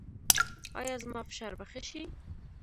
ایا زما فشار به ښه شي؟